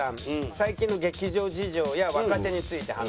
最近の劇場事情や若手について話す。